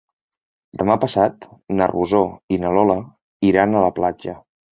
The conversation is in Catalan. Demà passat na Rosó i na Lola iran a la platja.